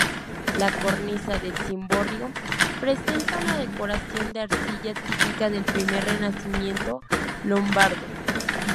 La cornisa del cimborrio presenta una decoración de arcilla típica del primer renacimiento lombardo.